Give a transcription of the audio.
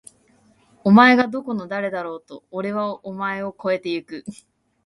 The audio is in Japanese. お前がどこの誰だろうと！！おれはお前を超えて行く！！